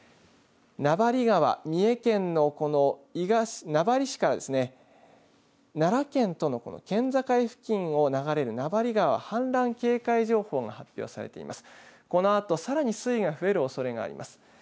名張川、三重県の名張市から奈良県との県境付近を流れる名張川、氾濫警戒情報が発表されています。